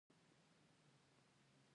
په کوم حالت کې ولسمشر غړی عزل کوي؟